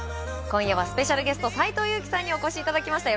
今夜はスペシャルゲスト斎藤佑樹さんにお越しいただきました。